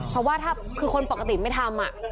เพราะว่าถ้าคือคนปกติไม่ทำ